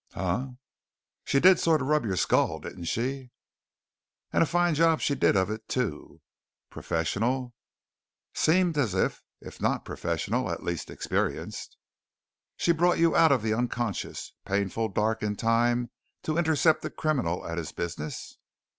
"Huh?" "She did sort of rub your skull, didn't she?" "And a fine job she did of it, too." "Professional?" "Seemed as if. If not professional, at least experienced." "So she brought you out of the unconscious, painful dark in time to intercept the criminal at his business?"